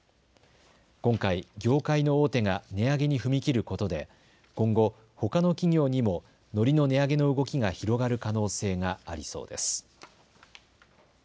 今回、業界の大手が値上げに踏み切ることで今後、ほかの企業にものりの値上げの動きが広がる可能性がありそうです。